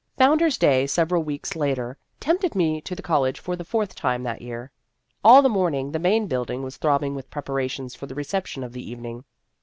Founder's Day, several weeks later, Heroic Treatment 91 tempted me to the college for the fourth time that year. All the morning the Main Building was throbbing with prepa rations for the reception of the evening.